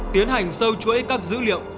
tiến hành sâu chuỗi các dữ liệu